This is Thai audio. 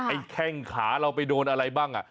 แข้งขาเราไปโดนอะไรบ้าง